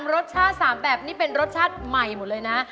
รสชาติ๓แบบนี้เป็นรสชาติใหม่หมดเลยนะ